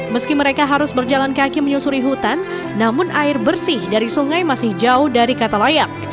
meski mereka harus berjalan kaki menyusuri hutan namun air bersih dari sungai masih jauh dari kata layak